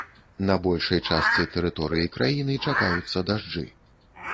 На большай частцы тэрыторыі краіны чакаюцца дажджы.